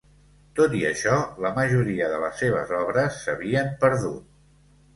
Tot i això, la majoria de les seves obres s'havien perdut.